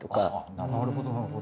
なるほどなるほど。